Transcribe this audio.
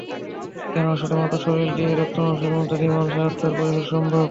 কেননা শুধুমাত্র শরীর দিয়েই, রক্ত মাংসের মধ্যে দিয়েই মানুষের আত্মার পরিশোধন সম্ভব।